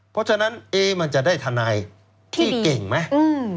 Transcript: เพราะฉะนั้นมันจะได้ทนายที่เก่งไหม